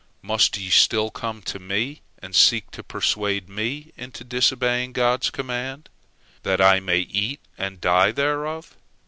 Must ye still come to me and seek to persuade me into disobeying God's command, that I may eat and die thereof?